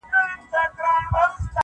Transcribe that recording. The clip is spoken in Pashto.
• که هرڅو صاحب د علم او کمال یې,